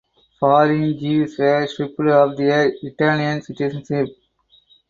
Foreign Jews were stripped of their Italian citizenship.